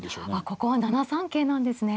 ここは７三桂なんですね。